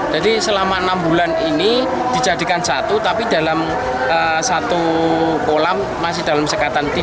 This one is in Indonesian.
jadi selama enam bulan ini dijadikan satu tapi dalam satu kolam masih dalam sekatan